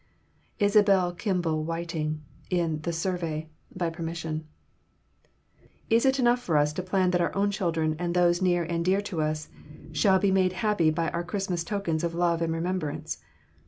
(Isabel Kimball Whiting in The Survey. By permission.) Is it enough for us to plan that our own children and those near and dear to us shall be made happy by our Christmas tokens of love and remembrance?